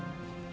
gak ada apa apa